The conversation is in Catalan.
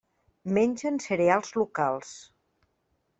Mengen cereals locals.